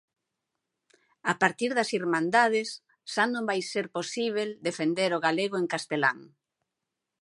A partir das Irmandades xa non vai ser posíbel defender o galego en castelán.